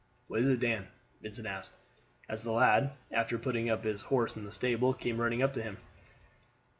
"What is it, Dan?" Vincent asked, as the lad, after putting up his horse in the stable, came running up to him.